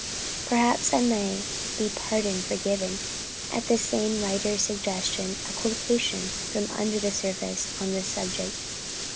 Perhaps I may be pardoned for giving, at the same writer's suggestion, a quotation from Under the Surface on this subject.